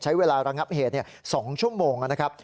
ใช้เวลารังับเหตุ๒ชั่วโมงนะครับ